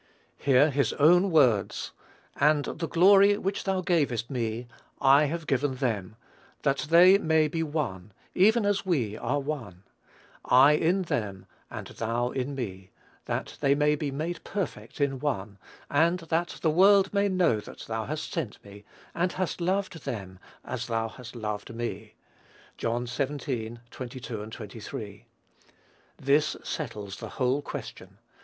Hear his own words: "And the glory which thou gavest me, I have given them; that they may be one, even as we are one: I in them, and thou in me, that they may be made perfect in one; and that the world may know that thou hast sent me, and hast loved them as thou hast loved me." (John xvii. 22, 23.) This settles the whole question.